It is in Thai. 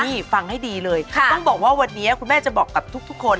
นี่ฟังให้ดีเลยต้องบอกว่าวันนี้คุณแม่จะบอกกับทุกคน